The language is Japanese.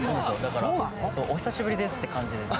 お久しぶりですって感じで。